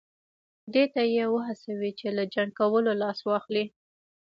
دې ته یې وهڅوي چې له جنګ کولو لاس واخلي.